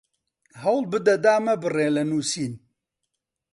هەوڵ بدە دامەبڕێ لە نووسین